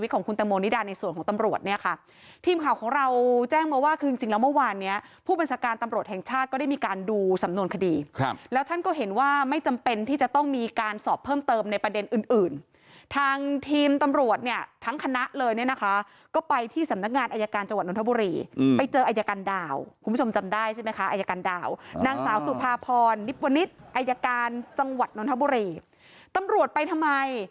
ก็ได้มีการดูสำนวนคดีครับแล้วท่านก็เห็นว่าไม่จำเป็นที่จะต้องมีการสอบเพิ่มเติมในประเด็นอื่นอื่นทางทีมตำรวจเนี้ยทั้งคณะเลยเนี้ยนะคะก็ไปที่สำนักงานอายการจังหวัดนนทมุรีอืมไปเจออายการดาวคุณผู้ชมจำได้ใช่ไหมคะอายการดาวนางสาวสุภาพรนิปวนิตอายการจังหวัดนนทมุรีตำรวจไปทํ